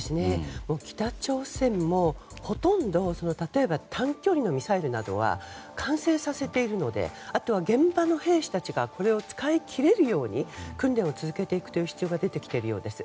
北朝鮮もほとんど短距離のミサイルなどは完成させているのであとは現場の兵士たちがこれを使いきれるように訓練を続けていく必要が出てきているようです。